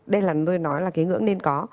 đây là tôi nói là cái ngưỡng nên có